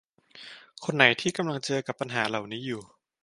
คนไหนที่กำลังเจอกับปัญหาเหล่านี้อยู่